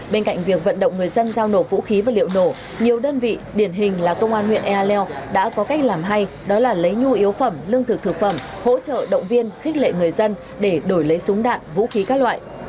bên cạnh việc vận động người dân giao nổ vũ khí và liệu nổ nhiều đơn vị điển hình là công an huyện ea leo đã có cách làm hay đó là lấy nhu yếu phẩm lương thực thực phẩm hỗ trợ động viên khích lệ người dân để đổi lấy súng đạn vũ khí các loại